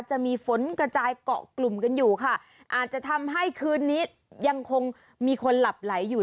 จะมีฝนกระจายเกาะกลุ่มกันอยู่ค่ะอาจจะทำให้คืนนี้ยังคงมีคนหลับไหลอยู่